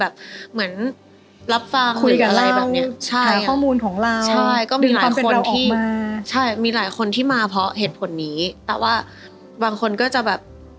เพราะเหตุผลนี้แต่ว่าบางคนก็จะแบบ